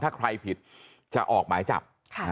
ถ้าใครผิดจะออกหมายจับ